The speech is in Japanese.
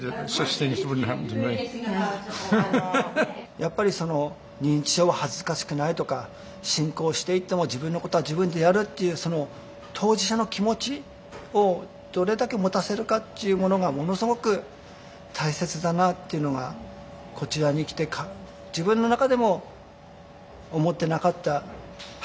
やっぱり認知症は恥ずかしくないとか進行していっても自分のことは自分でやるっていうその当事者の気持ちをどれだけ持たせるかっていうものがものすごく大切だなっていうのがこちらに来て自分の中でも思ってなかった発見だったと思います。